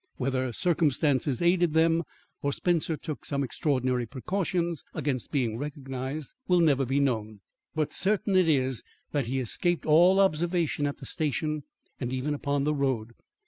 Whether circumstances aided them, or Spencer took some extraordinary precautions against being recognised, will never be known. But certain it is that he escaped all observation at the station and even upon the road.